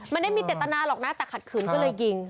ไม่ได้มีเจตนาหรอกนะแต่ขัดขืนก็เลยยิง